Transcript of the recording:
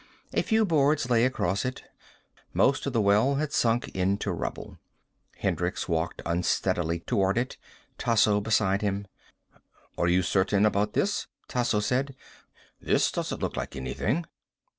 A few boards lay across it. Most of the well had sunk into rubble. Hendricks walked unsteadily toward it, Tasso beside him. "Are you certain about this?" Tasso said. "This doesn't look like anything."